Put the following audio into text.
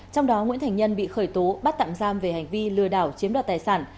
trong đó nguyễn thành nhân bị khởi tố bắt tạm giam về hành vi lừa đảo chiếm đoạt tài sản